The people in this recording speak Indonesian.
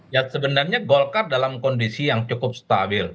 ya sebenarnya golkar dalam kondisi yang cukup stabil